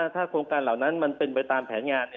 ถ้าโครงการเหล่านั้นมันเป็นไปตามแผนงาน